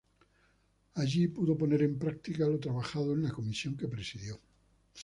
Allí pudo poner en practica lo trabajado en la comisión que presidió.